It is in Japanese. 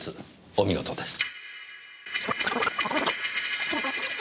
お見事です。